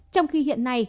trong khi hiện nay